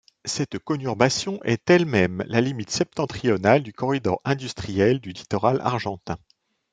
Cette conurbation est elle-même la limite septentrionale du corridor industriel du littoral argentin.